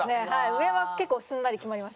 上は結構すんなり決まりました。